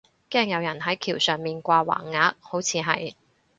驚有人係橋上面掛橫額，好似係